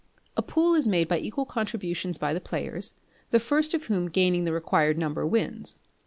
A pool is made by equal contributions by the players, the first of whom gaining the required number wins.